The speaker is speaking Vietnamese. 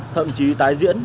thậm chí tái diễn